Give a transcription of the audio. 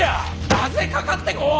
なぜかかってこん！